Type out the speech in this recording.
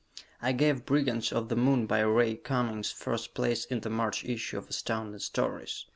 I gave "Brigands of the Moon" by Ray Cummings first place in the March issue of Astounding Stories.